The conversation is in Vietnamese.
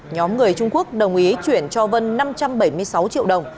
nhóm người trung quốc đồng ý chuyển cho vân năm trăm bảy mươi sáu triệu đồng